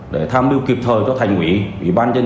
còn buông lỏng chưa có sự giám sát